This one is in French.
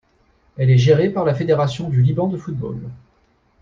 Elle est gérée par la Fédération du Liban de football.